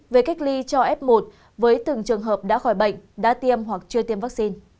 về cách ly cho f một với từng trường hợp đã khỏi bệnh đã tiêm hoặc chưa tiêm vaccine